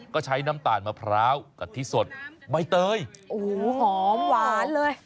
ก็ใช้น้ำตาลมะพร้าวกะทิสดใบเตยโอ้โหหอมหวานเลย